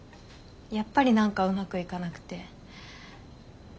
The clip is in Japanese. やっぱり何かうまくいかなくて。